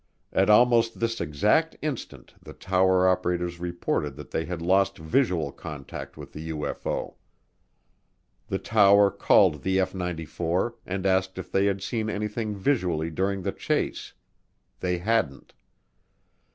At almost this exact instant the tower operators reported that they had lost visual contact with the UFO. The tower called the F 94 and asked if they had seen anything visually during the chase they hadn't.